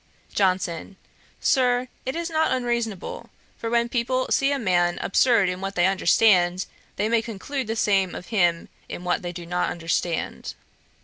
JOHNSON. 'Sir, it is not unreasonable; for when people see a man absurd in what they understand, they may conclude the same of him in what they do not understand.